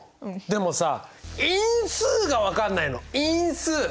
でもさ因数が分かんないの。